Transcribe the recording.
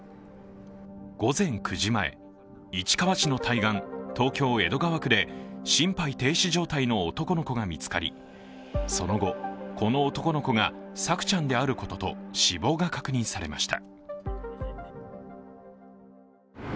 午前９時前、市川市の対岸東京・江戸川区で心肺停止状態の男の子が見つかりその後、この男の子が朔ちゃんであることと死亡が確認されました。